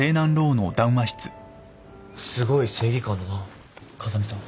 すごい正義感だな風見さん。